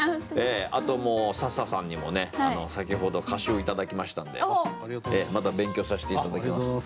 あと笹さんにも先ほど歌集を頂きましたんでまた勉強させて頂きます。